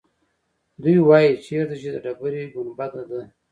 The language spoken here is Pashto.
دوی وایيچېرته چې د ډبرې ګنبده ده.